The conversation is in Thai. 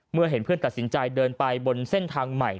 เมื่อเห็นเพื่อนตัดสินใจเดินไปบนเส้นทางใหม่